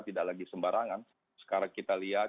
tidak lagi sembarangan sekarang kita lihat